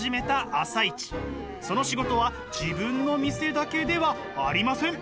その仕事は自分の店だけではありません。